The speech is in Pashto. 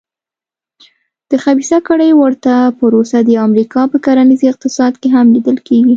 د خبیثه کړۍ ورته پروسه د امریکا په کرنیز اقتصاد کې هم لیدل کېږي.